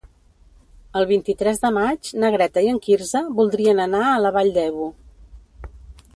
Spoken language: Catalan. El vint-i-tres de maig na Greta i en Quirze voldrien anar a la Vall d'Ebo.